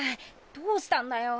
どうしたんだよ。